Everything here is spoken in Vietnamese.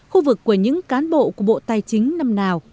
khu vực của những cán bộ của bộ tài chính năm nào